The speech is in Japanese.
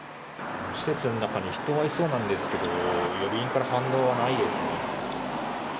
施設の中に人はいそうなんですけど呼び鈴から反応はないですね。